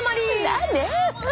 何で！